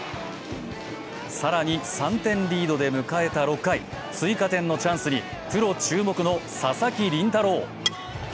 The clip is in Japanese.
更に、３点リードで迎えた６回、追加点のチャンスに、プロ注目の佐々木麟太郎。